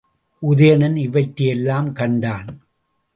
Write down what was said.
உதயணன் இவற்றையெல்லாம் கண்டான்.